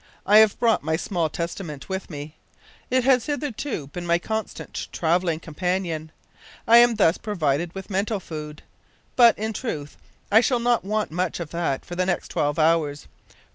I have brought my small Testament with me. It has hitherto been my constant travelling companion. I am thus provided with mental food. But, in truth, I shall not want much of that for the next twelve hours.